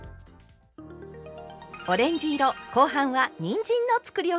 オレンジ色後半はにんじんのつくりおきです。